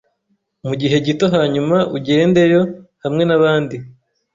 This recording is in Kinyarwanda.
Mugihe gito hanyuma ugendeyo hamwe nabandi